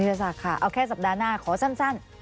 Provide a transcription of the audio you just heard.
คุณธิรษัทค่ะเอาแค่สัปดาห์หน้าขอสั้น